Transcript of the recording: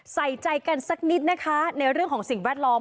ใส่ใจกันในเรื่องของสิ่งแวดล้อม